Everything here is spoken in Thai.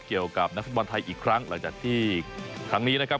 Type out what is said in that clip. เกี่ยวกับนักฟุตบอลไทยอีกครั้งหลังจากที่ครั้งนี้นะครับ